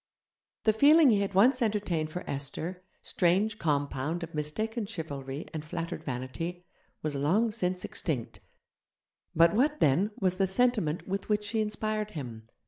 The feeling he had once entertained for Esther, strange compound of mistaken chivalry and flattered vanity, was long since extinct; but what, then, was the sentiment with which she inspired him?